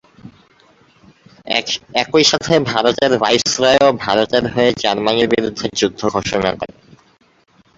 একইসাথে ভারতের ভাইসরয়ও ভারতের হয়ে জার্মানির বিরুদ্ধে যুদ্ধ ঘোষণা করে।